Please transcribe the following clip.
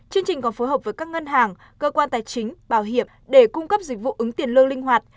chương trình còn phối hợp với các ngân hàng cơ quan tài chính bảo hiểm để cung cấp dịch vụ ứng tiền lương linh hoạt